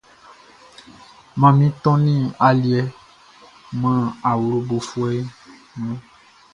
Manmin ton aliɛ man awlobofuɛ mun.